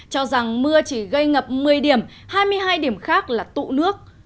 cho rằng mưa chỉ gây ngập một mươi điểm hai mươi hai điểm khác là tụ nước